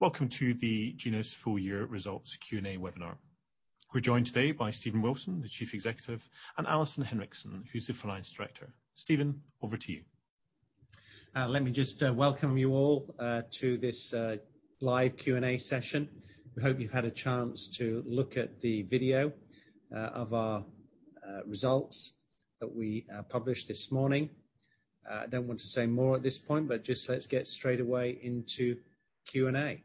Welcome to the Genus full year results Q&A webinar. We're joined today by Stephen Wilson, the Chief Executive, and Alison Henriksen, who's the Finance Director. Stephen, over to you. Let me just welcome you all to this live Q&A session. We hope you've had a chance to look at the video of our results that we published this morning. Don't want to say more at this point, but just let's get straight away into Q&A. Thank you for that, Stephen.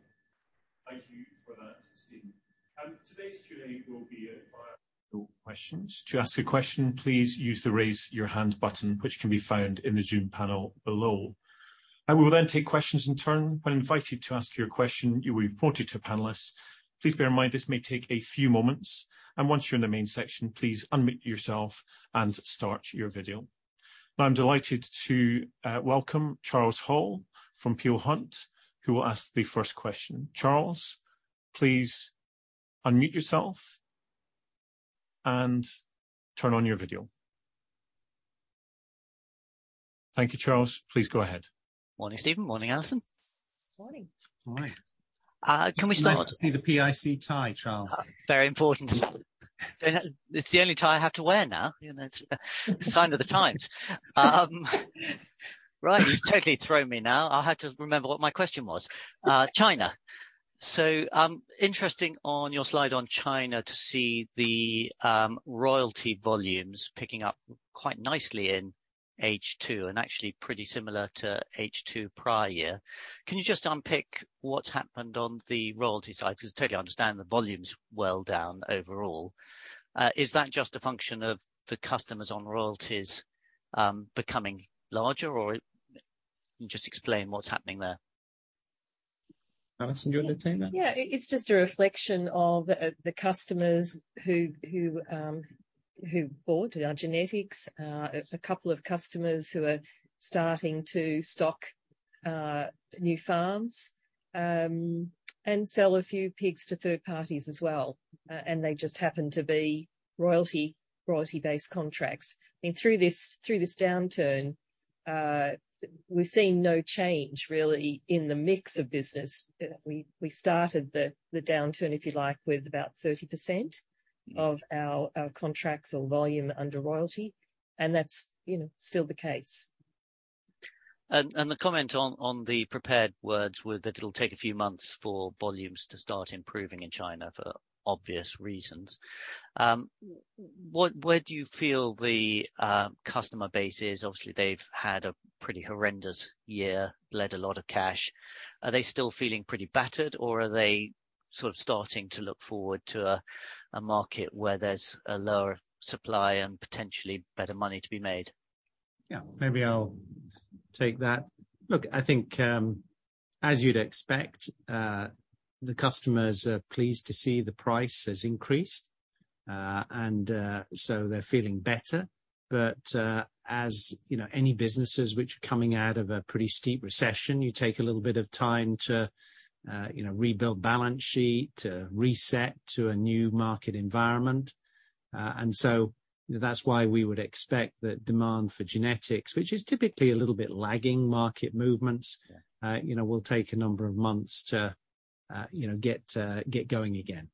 Today's Q&A will be via questions. To ask a question, please use the Raise Your Hand button, which can be found in the Zoom panel below. We will then take questions in turn. When invited to ask a question, you will be promoted to a panelist. Please bear in mind this may take a few moments, and once you're in the main section, please unmute yourself and start your video. Now, I'm delighted to welcome Charles Hall from Peel Hunt, who will ask the first question. Charles, please unmute yourself and turn on your video. Thank you, Charles. Please go ahead. Morning, Stephen. Morning, Alison. Morning. Morning. Can we start? It's nice to see the PIC tie, Charles. Very important. You know, it's the only tie I have to wear now. You know, it's a sign of the times. Right, you've totally thrown me now. I'll have to remember what my question was. China. Interesting on your slide on China to see the royalty volumes picking up quite nicely in H2 and actually pretty similar to H2 prior. Can you just unpick what's happened on the royalty side? 'Cause I totally understand the volume's well down overall. Is that just a function of the customers on royalties becoming larger or just explain what's happening there. Alison, do you want to take that? Yeah. It's just a reflection of the customers who bought our genetics. A couple of customers who are starting to stock new farms and sell a few pigs to third parties as well. They just happen to be royalty-based contracts. I mean, through this downturn, we're seeing no change really in the mix of business. You know, we started the downturn, if you like, with about 30%. Mm-hmm. Of our contracts or volume under royalty, and that's, you know, still the case. The comment on the prepared words were that it'll take a few months for volumes to start improving in China for obvious reasons. Where do you feel the customer base is? Obviously, they've had a pretty horrendous year, bled a lot of cash. Are they still feeling pretty battered or are they sort of starting to look forward to a market where there's a lower supply and potentially better money to be made? Yeah. Maybe I'll take that. Look, I think, as you'd expect, the customers are pleased to see the price has increased, and so they're feeling better. As you know, any businesses which are coming out of a pretty steep recession, you take a little bit of time to, you know, rebuild balance sheet, to reset to a new market environment. That's why we would expect the demand for genetics, which is typically a little bit lagging market movements. Yeah. You know, will take a number of months to, you know, get going again.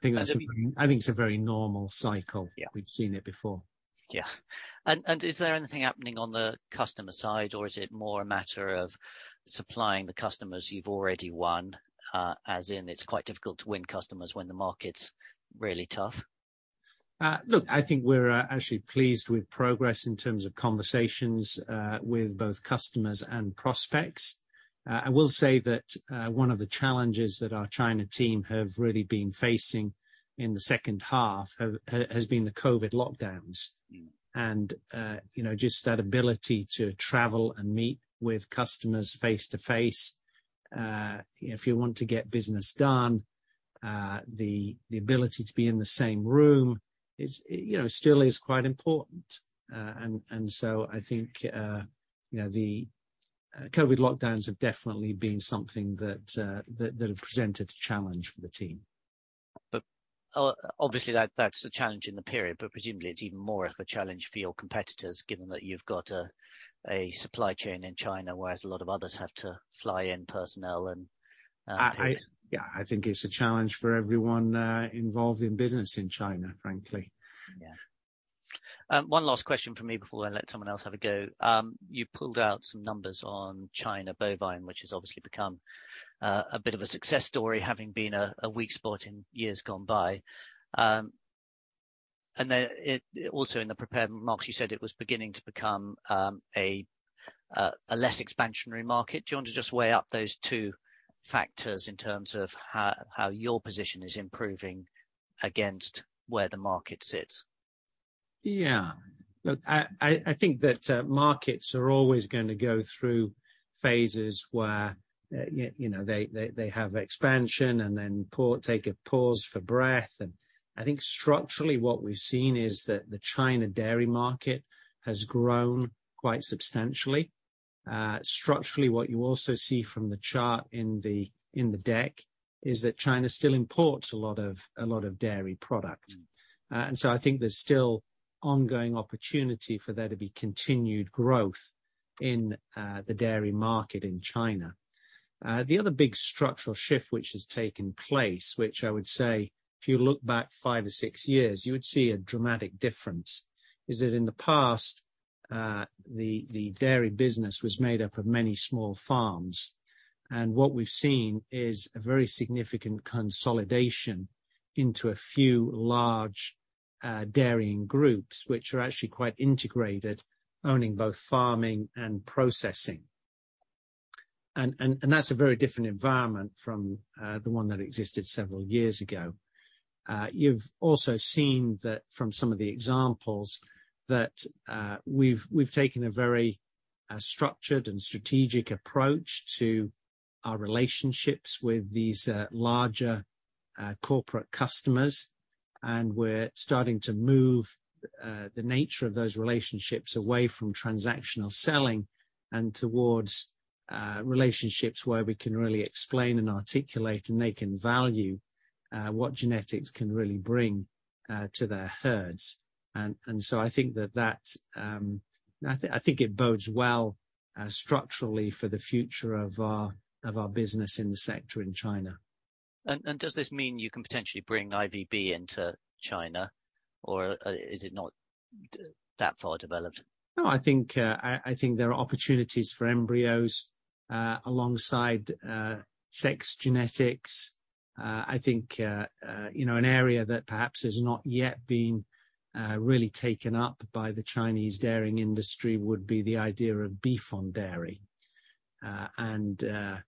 I think that's. So. I think it's a very normal cycle. Yeah. We've seen it before. Is there anything happening on the customer side or is it more a matter of supplying the customers you've already won, as in it's quite difficult to win customers when the market's really tough? Look, I think we're actually pleased with progress in terms of conversations with both customers and prospects. I will say that one of the challenges that our China team have really been facing in the second half has been the COVID lockdowns. Mm-hmm. You know, just that ability to travel and meet with customers face-to-face, if you want to get business done, the ability to be in the same room is still quite important. I think, you know, the COVID lockdowns have definitely been something that have presented a challenge for the team. Obviously that's a challenge in the period, but presumably it's even more of a challenge for your competitors given that you've got a supply chain in China, whereas a lot of others have to fly in personnel and. Yeah, I think it's a challenge for everyone involved in business in China, frankly. Yeah. One last question from me before I let someone else have a go. You pulled out some numbers on China bovine, which has obviously become a bit of a success story having been a weak spot in years gone by. Then it also in the prepared remarks, you said it was beginning to become a less expansionary market. Do you want to just weigh up those two factors in terms of how your position is improving against where the market sits? Yeah. Look, I think that markets are always gonna go through phases where you know, they have expansion and then take a pause for breath. I think structurally what we've seen is that the China dairy market has grown quite substantially. Structurally, what you also see from the chart in the deck is that China still imports a lot of dairy product. Mm-hmm. I think there's still ongoing opportunity for there to be continued growth in the dairy market in China. The other big structural shift which has taken place, which I would say if you look back five or six years, you would see a dramatic difference, is that in the past the dairy business was made up of many small farms. What we've seen is a very significant consolidation into a few large dairying groups, which are actually quite integrated, owning both farming and processing. That's a very different environment from the one that existed several years ago. You've also seen that from some of the examples that we've taken a very structured and strategic approach to our relationships with these larger corporate customers. We're starting to move the nature of those relationships away from transactional selling and towards relationships where we can really explain and articulate and they can value what genetics can really bring to their herds. I think that it bodes well structurally for the future of our business in the sector in China. Does this mean you can potentially bring IVF into China, or is it not that far developed? No, I think there are opportunities for embryos alongside sexed genetics. I think you know an area that perhaps has not yet been really taken up by the Chinese dairying industry would be the idea of beef on dairy. You know,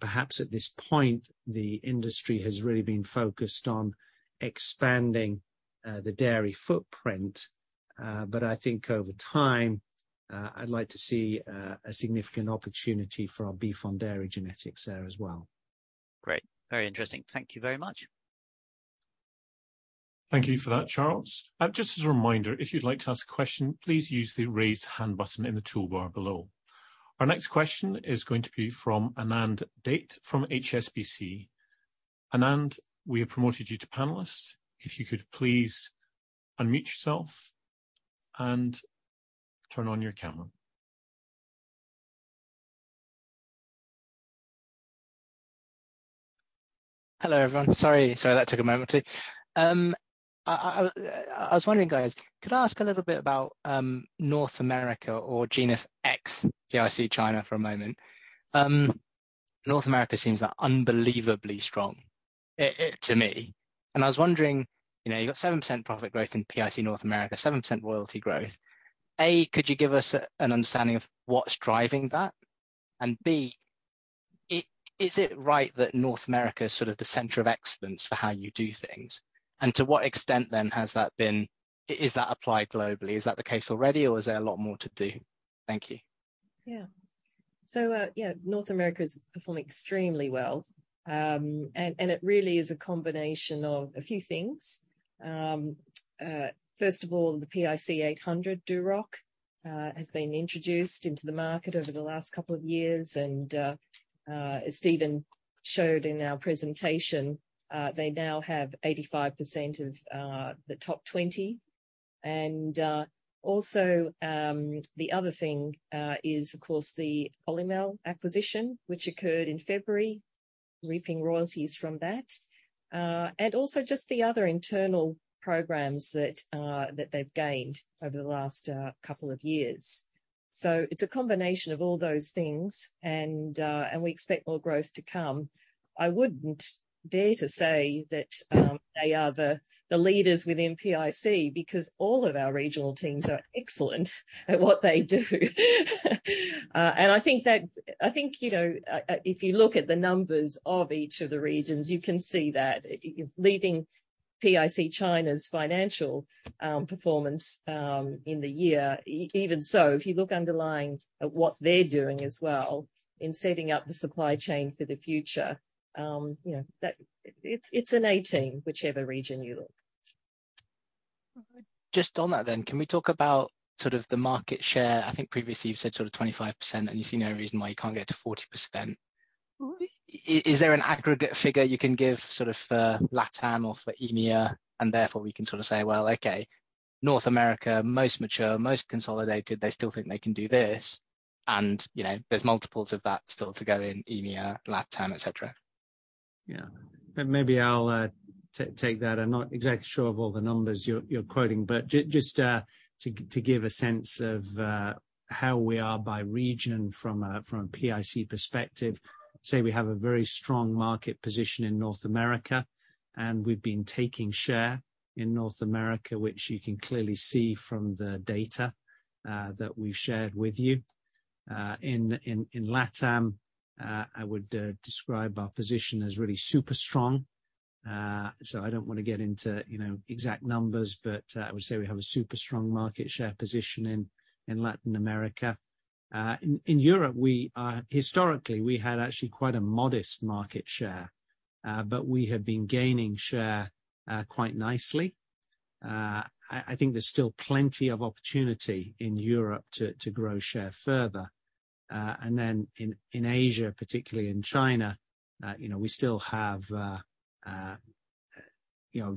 perhaps at this point, the industry has really been focused on expanding the dairy footprint. I think over time I'd like to see a significant opportunity for our beef on dairy genetics there as well. Great. Very interesting. Thank you very much. Thank you for that, Charles. Just as a reminder, if you'd like to ask a question, please use the Raise Hand button in the toolbar below. Our next question is going to be from Anand Date from HSBC. Anand, we have promoted you to panelist. If you could please unmute yourself and turn on your camera. Hello, everyone. Sorry, that took a moment. I was wondering, guys, could I ask a little bit about North America or Genus ABS, PIC China for a moment? North America seems unbelievably strong to me, and I was wondering, you know, you got 7% profit growth in PIC North America, 7% royalty growth. A, could you give us an understanding of what's driving that? And B, is it right that North America is sort of the center of excellence for how you do things? And to what extent then has that been applied globally? Is that the case already, or is there a lot more to do? Thank you. North America is performing extremely well. It really is a combination of a few things. First of all, the PIC 800 Duroc has been introduced into the market over the last couple of years. As Stephen showed in our presentation, they now have 85% of the top 20. The other thing is, of course, the Olymel acquisition, which occurred in February, reaping royalties from that, and also just the other internal programs that they've gained over the last couple of years. It's a combination of all those things, and we expect more growth to come. I wouldn't dare to say that they are the leaders within PIC because all of our regional teams are excellent at what they do. I think, you know, if you look at the numbers of each of the regions, you can see that. Leading PIC China's financial performance in the year. Even so, if you look at underlying what they're doing as well in setting up the supply chain for the future, you know, that it's an A-team, whichever region you look. Just on that, can we talk about sort of the market share? I think previously you've said sort of 25%, and you see no reason why you can't get to 40%. Is there an aggregate figure you can give sort of for LatAm or for EMEA, and therefore we can sort of say, "Well, okay, North America, most mature, most consolidated, they still think they can do this." You know, there's multiples of that still to go in EMEA, LatAm, etc. Maybe I'll take that. I'm not exactly sure of all the numbers you're quoting. Just to give a sense of how we are by region from a PIC perspective, I'd say we have a very strong market position in North America, and we've been taking share in North America, which you can clearly see from the data that we've shared with you. In LatAm, I would describe our position as really super strong. I don't wanna get into, you know, exact numbers, but I would say we have a super strong market share position in Latin America. In Europe, we historically had actually quite a modest market share, but we have been gaining share quite nicely. I think there's still plenty of opportunity in Europe to grow share further. In Asia, particularly in China, you know, we still have you know,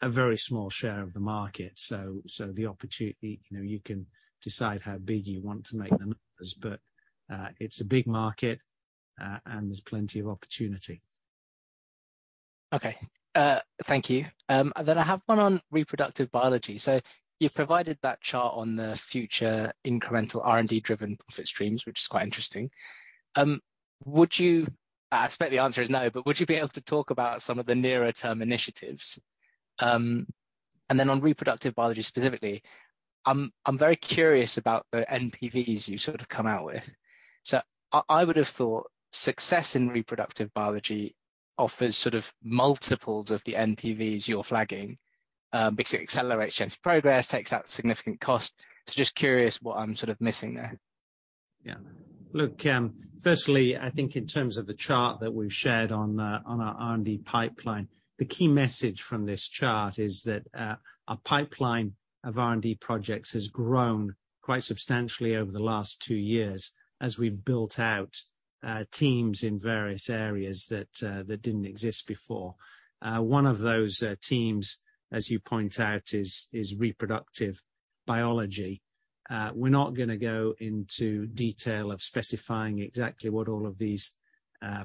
a very small share of the market. The opportunity, you know, you can decide how big you want to make the numbers. Mm-hmm. It's a big market, and there's plenty of opportunity. Okay. Thank you. I have one on reproductive biology. You've provided that chart on the future incremental R&D-driven profit streams, which is quite interesting. I expect the answer is no, but would you be able to talk about some of the nearer term initiatives? On reproductive biology specifically, I'm very curious about the NPVs you sort of come out with. I would have thought success in reproductive biology offers sort of multiples of the NPVs you're flagging, because it accelerates chance of progress, takes out significant cost. Just curious what I'm sort of missing there. Yeah. Look, firstly, I think in terms of the chart that we've shared on our R&D pipeline, the key message from this chart is that our pipeline of R&D projects has grown quite substantially over the last two years as we built out teams in various areas that didn't exist before. One of those teams, as you point out, is reproductive biology. We're not gonna go into detail of specifying exactly what all of these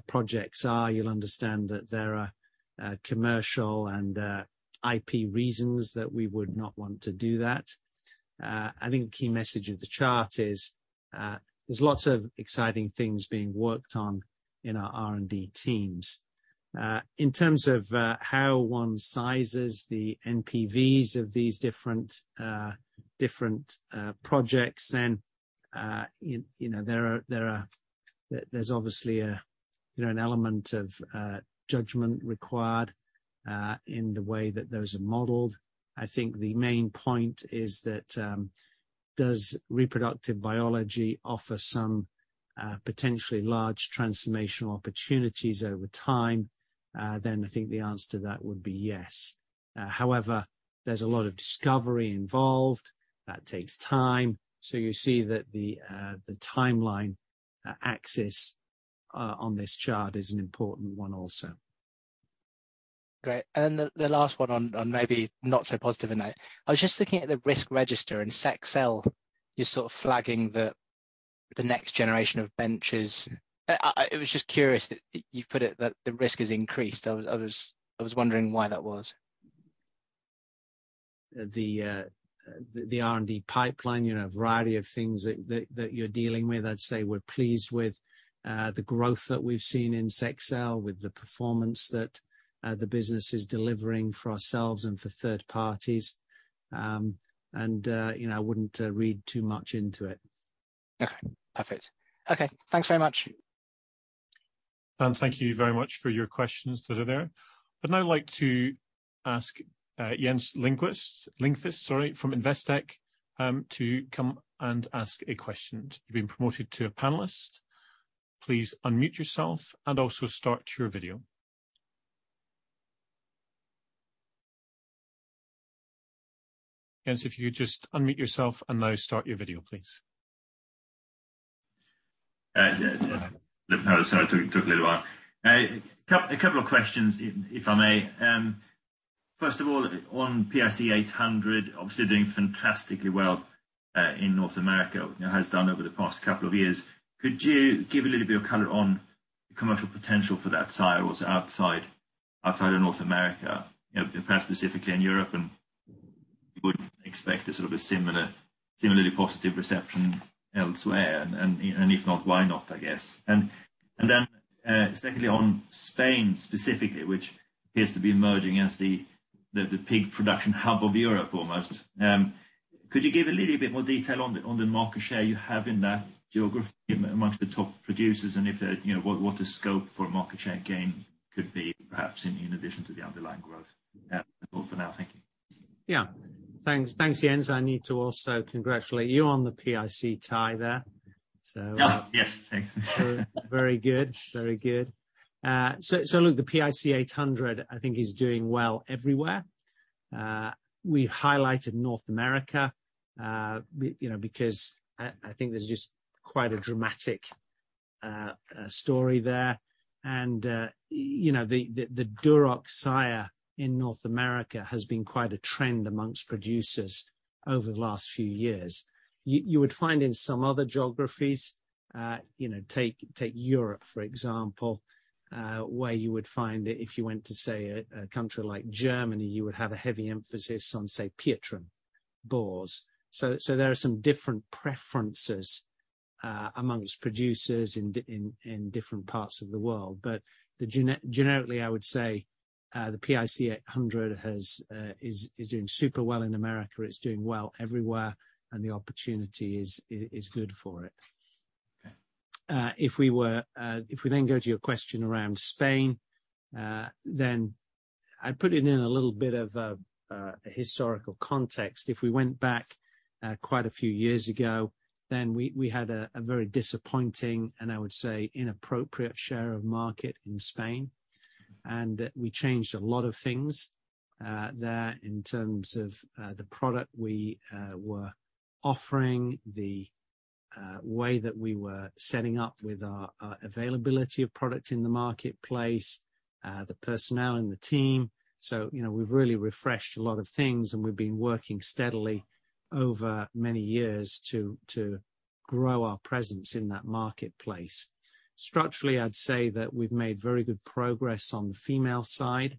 projects are. You'll understand that there are commercial and IP reasons that we would not want to do that. I think the key message of the chart is there's lots of exciting things being worked on in our R&D teams. In terms of how one sizes the NPVs of these different projects, you know, there's obviously a you know an element of judgment required in the way that those are modeled. I think the main point is that does reproductive biology offer some potentially large transformational opportunities over time? I think the answer to that would be yes. However, there's a lot of discovery involved. That takes time. You see that the timeline axis on this chart is an important one also. Great. The last one on maybe not so positive a note. I was just looking at the risk register, in Sexcel you're sort of flagging the next generation of benches. I was just curious that you put it that the risk is increased. I was wondering why that was. The R&D pipeline, you know, a variety of things that you're dealing with. I'd say we're pleased with the growth that we've seen in Sexcel, with the performance that the business is delivering for ourselves and for third parties. You know, I wouldn't read too much into it. Okay. Perfect. Okay. Thanks very much. Thank you very much for your questions that are there. I'd now like to ask Jens Lindqvist from Investec to come and ask a question. You've been promoted to a panelist. Please unmute yourself and also start your video. Jens, if you just unmute yourself, and now start your video, please. Yeah. Sorry, it took a little while. A couple of questions if I may. First of all, on PIC800, obviously doing fantastically well in North America, you know, has done over the past couple of years. Could you give a little bit of color on the commercial potential for that sire what's outside of North America? You know, perhaps specifically in Europe and would expect a sort of a similarly positive reception elsewhere. If not, why not, I guess? Secondly, on Spain specifically, which appears to be emerging as the pig production hub of Europe almost. Could you give a little bit more detail on the market share you have in that geography among the top producers? If there, you know, what the scope for a market share gain could be, perhaps in addition to the underlying growth? All for now. Thank you. Yeah. Thanks. Thanks, Jens. I need to also congratulate you on the PIC tie there, so. Oh, yes. Thanks. Very good. Look, the PIC800, I think is doing well everywhere. We highlighted North America, you know, because I think there's just quite a dramatic story there. You know, the Duroc sire in North America has been quite a trend amongst producers over the last few years. You would find in some other geographies, you know, take Europe, for example, where you would find if you went to, say, a country like Germany, you would have a heavy emphasis on, say, Pietrain boars. There are some different preferences amongst producers in different parts of the world. Generically, I would say, the PIC800 is doing super well in America. It's doing well everywhere, and the opportunity is good for it. Okay. If we then go to your question around Spain, then I'd put it in a little bit of a historical context. If we went back quite a few years ago, then we had a very disappointing, and I would say, inappropriate share of market in Spain. We changed a lot of things there in terms of the product we were offering, the way that we were setting up with our availability of product in the marketplace, the personnel and the team. You know, we've really refreshed a lot of things, and we've been working steadily over many years to grow our presence in that marketplace. Structurally, I'd say that we've made very good progress on the female side,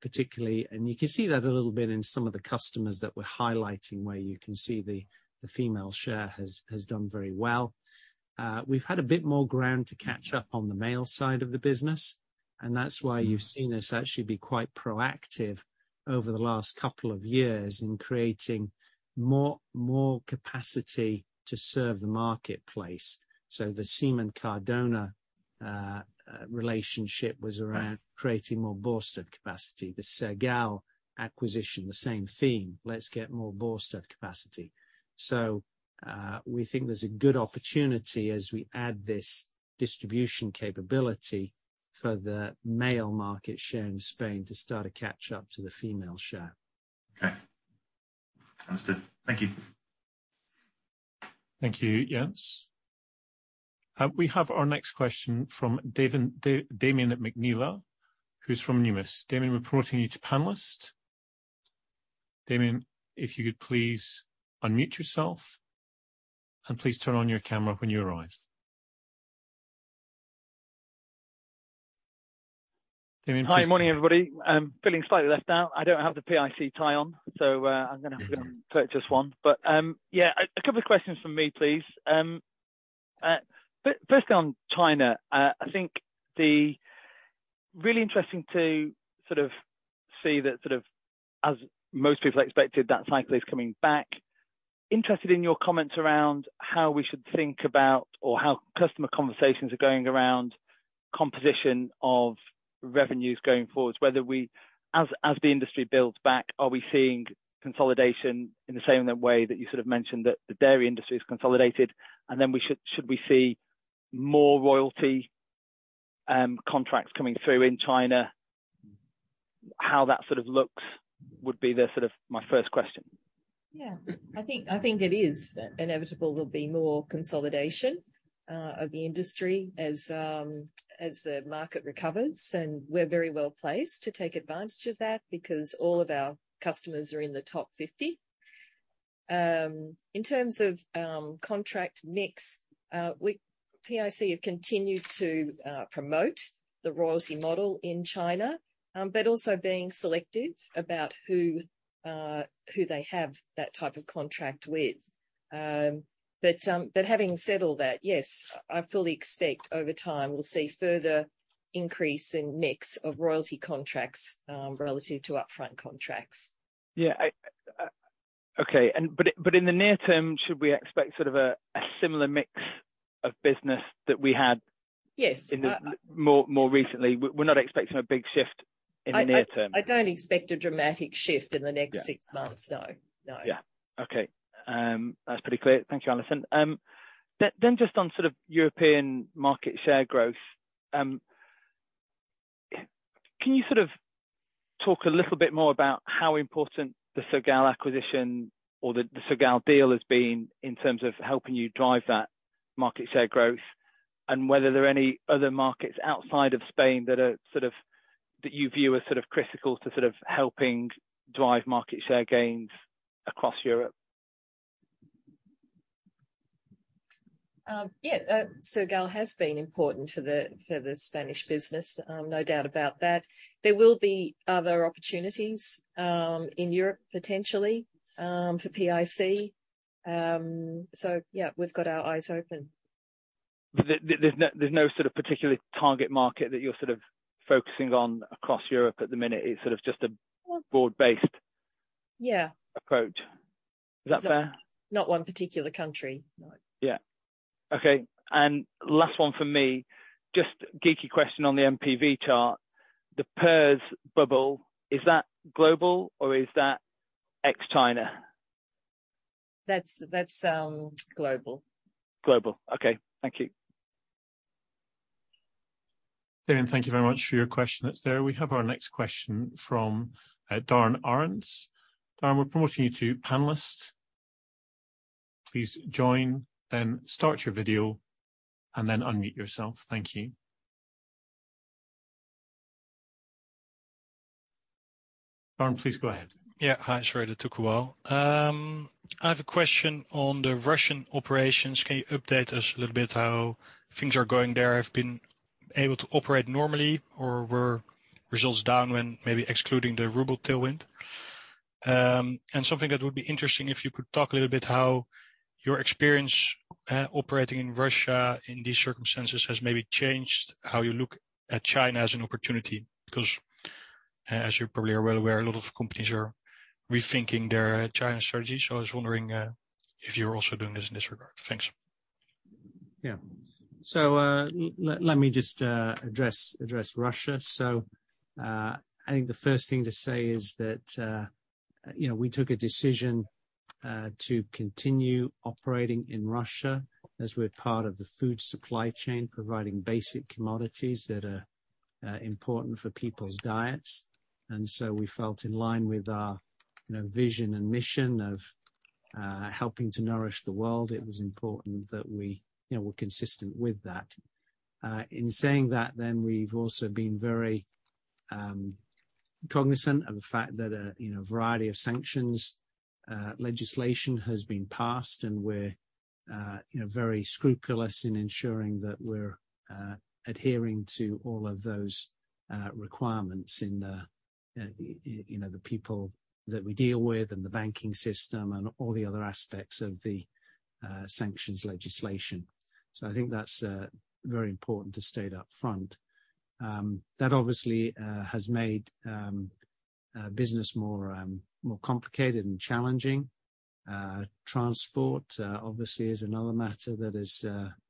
particularly. You can see that a little bit in some of the customers that we're highlighting, where you can see the female share has done very well. We've had a bit more ground to catch up on the male side of the business, and that's why you've seen us actually be quite proactive over the last couple of years in creating more capacity to serve the marketplace. The Semen Cardona relationship was around creating more boar stud capacity. The Sergal acquisition, the same theme. Let's get more boar stud capacity. We think there's a good opportunity as we add this distribution capability for the male market share in Spain to start to catch up to the female share. Okay. Understood. Thank you. Thank you, Jens. We have our next question from Damian McNeela, who's from Numis. Damian, we're promoting you to panelist. Damian, if you could please unmute yourself, and please turn on your camera when you arrive. Damian, please. Hi. Morning, everybody. I'm feeling slightly left out. I don't have the PIC tie on, so, I'm gonna have a go and purchase one. A couple of questions from me, please. First on China, I think it's really interesting to sort of see that sort of, as most people expected, that cycle is coming back. Interested in your comments around how we should think about or how customer conversations are going around composition of revenues going forward, whether we. As the industry builds back, are we seeing consolidation in the same way that you sort of mentioned that the dairy industry is consolidated? Should we see more royalty contracts coming through in China? How that sort of looks would be sort of my first question. Yeah. I think it is inevitable there'll be more consolidation of the industry as the market recovers, and we're very well placed to take advantage of that because all of our customers are in the top 50. In terms of contract mix, PIC have continued to promote the royalty model in China, but also being selective about who they have that type of contract with. But having said all that, yes, I fully expect over time we'll see further increase in mix of royalty contracts relative to upfront contracts. In the near term, should we expect sort of a similar mix of business that we had? Yes. I. In the more recently? We're not expecting a big shift in the near term. I don't expect a dramatic shift in the next six months, no. No. Yeah. Okay. That's pretty clear. Thank you, Alison. Then just on sort of European market share growth, can you sort of talk a little bit more about how important the Sergal acquisition or the Sergal deal has been in terms of helping you drive that market share growth and whether there are any other markets outside of Spain that are sort of that you view as sort of critical to sort of helping drive market share gains across Europe? Yeah. Sergal has been important for the Spanish business, no doubt about that. There will be other opportunities in Europe potentially for PIC. Yeah, we've got our eyes open. There's no sort of particular target market that you're sort of focusing on across Europe at the minute. It's sort of just a. Well. Broad-based. Yeah. Approach. Is that fair? Not one particular country. No. Yeah. Okay. Last one from me, just geeky question on the NPV chart, the PRRS bubble, is that global or is that ex-China? That's global. Global. Okay. Thank you. Damian, thank you very much for your question that's there. We have our next question from Darren Shirley. Darren, we're promoting you to panelist. Please join, then start your video, and then unmute yourself. Thank you. Darren, please go ahead. Yeah. Hi. Sorry that took a while. I have a question on the Russian operations. Can you update us a little bit how things are going there? Have you been able to operate normally or were results down, maybe excluding the ruble tailwind? Something that would be interesting if you could talk a little bit how your experience operating in Russia in these circumstances has maybe changed how you look at China as an opportunity, because as you probably are well aware, a lot of companies are rethinking their China strategy. I was wondering if you're also doing this in this regard. Thanks. Yeah. Let me just address Russia. I think the first thing to say is that you know, we took a decision To continue operating in Russia as we're part of the food supply chain, providing basic commodities that are important for people's diets. We felt in line with our, you know, vision and mission of helping to nourish the world, it was important that we, you know, were consistent with that. In saying that then, we've also been very cognizant of the fact that a variety of sanctions legislation has been passed, and we're, you know, very scrupulous in ensuring that we're adhering to all of those requirements in, you know, the people that we deal with and the banking system and all the other aspects of the sanctions legislation. I think that's very important to state upfront. That obviously has made business more complicated and challenging. Transport obviously is another matter that has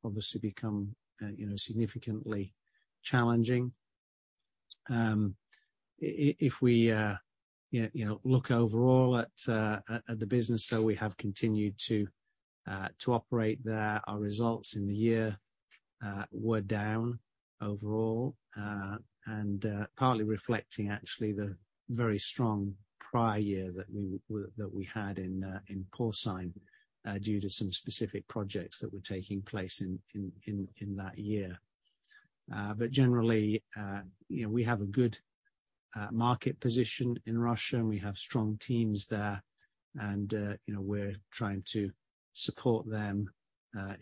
obviously become, you know, significantly challenging. If we, yeah, you know, look overall at the business, we have continued to operate there. Our results in the year were down overall, and partly reflecting actually the very strong prior year that we had in porcine due to some specific projects that were taking place in that year. Generally, you know, we have a good market position in Russia, and we have strong teams there and, you know, we're trying to support them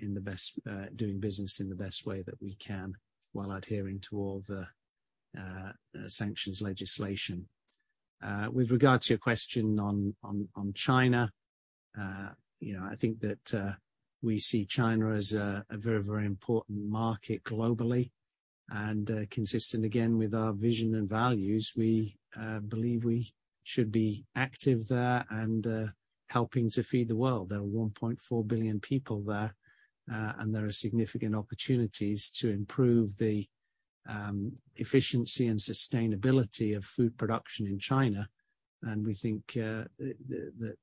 in the best doing business in the best way that we can, while adhering to all the sanctions legislation. With regard to your question on China, you know, I think that we see China as a very important market globally and, consistent again, with our vision and values, we believe we should be active there and helping to feed the world. There are 1.4 billion people there, and there are significant opportunities to improve the efficiency and sustainability of food production in China, and we think that,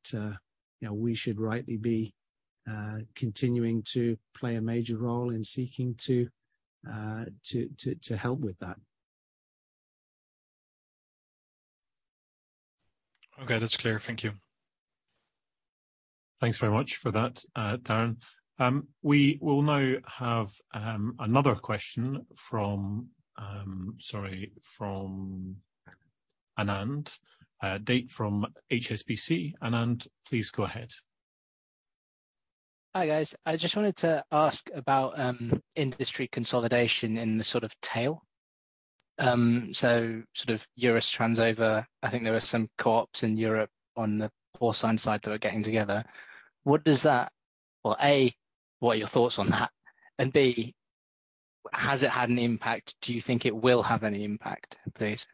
you know, we should rightly be continuing to play a major role in seeking to help with that. Okay, that's clear. Thank you. Thanks very much for that, Darren. We will now have another question from Anand Date from HSBC. Anand, please go ahead. Hi, guys. I just wanted to ask about industry consolidation in the sort of tail. So sort of Eurotranssemen over, I think there were some co-ops in Europe on the porcine side that are getting together. Or A, what are your thoughts on that? And B, has it had an impact? Do you think it will have any impact, please?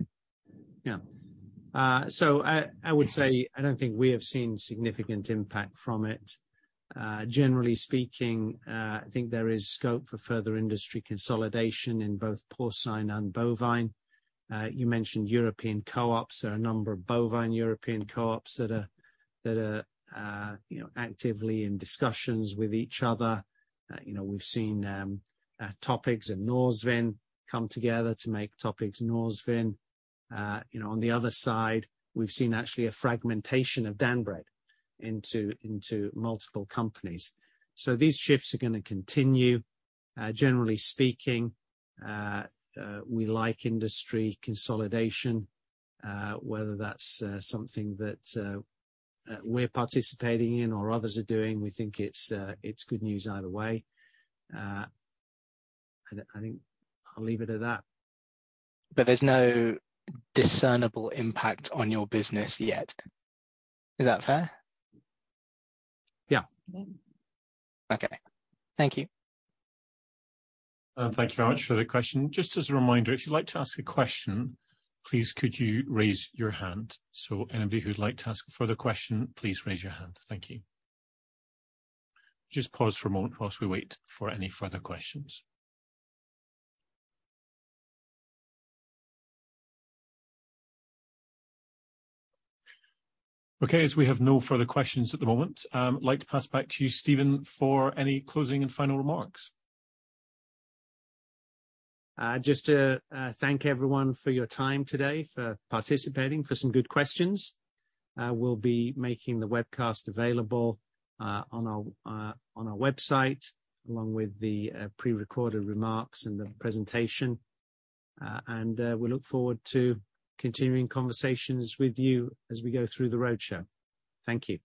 Yeah. So I would say I don't think we have seen significant impact from it. Generally speaking, I think there is scope for further industry consolidation in both porcine and bovine. You mentioned European co-ops. There are a number of bovine European co-ops that you know actively in discussions with each other. You know, we've seen Topigs and Norsvin come together to make Topigs Norsvin. You know, on the other side, we've seen actually a fragmentation of DanBred into multiple companies. So these shifts are gonna continue. Generally speaking, we like industry consolidation, whether that's something that we're participating in or others are doing, we think it's good news either way. I think I'll leave it at that. There's no discernible impact on your business yet. Is that fair? Yeah. Okay. Thank you. Thank you very much for that question. Just as a reminder, if you'd like to ask a question, please could you raise your hand. Anybody who'd like to ask a further question, please raise your hand. Thank you. Just pause for a moment while we wait for any further questions. Okay, as we have no further questions at the moment, I'd like to pass back to you, Stephen, for any closing and final remarks. Just to thank everyone for your time today, for participating, for some good questions. We'll be making the webcast available on our website, along with the prerecorded remarks and the presentation. We look forward to continuing conversations with you as we go through the roadshow. Thank you.